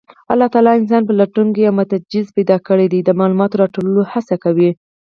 الله تعالی انسان پلټونکی او متجسس پیدا کړی دی، د معلوماتو راټولولو هڅه کوي.